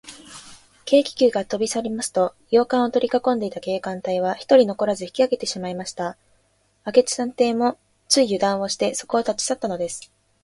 軽気球がとびさりますと、洋館をとりかこんでいた警官隊は、ひとり残らず引きあげてしまいました。明智探偵も、ついゆだんをして、そこを立ちさったのです。